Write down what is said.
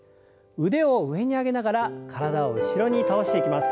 腕を上に上げながら体を後ろに倒していきます。